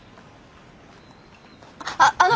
あっあの！